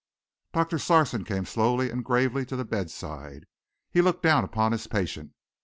Doctor Sarson came slowly and gravely to the bedside. He looked down upon his patient.